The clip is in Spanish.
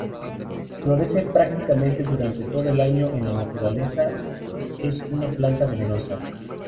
Florece prácticamente durante todo el año, en la naturaleza es una planta venenosa.